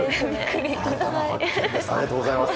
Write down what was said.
ありがとうございます。